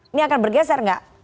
ini akan bergeser gak